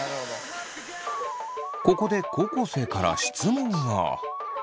ここで高校生から質問が。